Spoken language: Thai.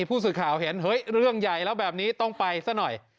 ผู้สื่อข่าวเห็นเฮ้ยเรื่องใหญ่แล้วแบบนี้ต้องไปซะหน่อย